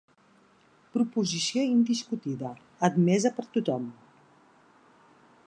Proposició indiscutida, admesa per tothom.